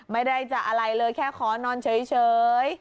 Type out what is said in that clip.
ไม่ได้จะอะไรเลยแค่ขอนอนเฉย